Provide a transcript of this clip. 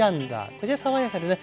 こちら爽やかでね